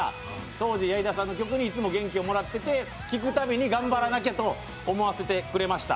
当時、矢井田さんの曲にいつも元気をもらってて聴くたびに頑張らなきゃと思わせてくれました。